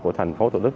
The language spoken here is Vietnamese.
của thành phố thủ đức